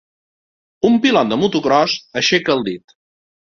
un pilot de motocròs aixeca el dit.